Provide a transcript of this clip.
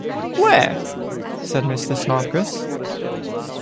‘Where?’ said Mr. Snodgrass.